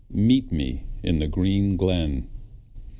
Meet me in the green glen.